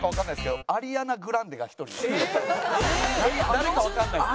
誰かわかんないです。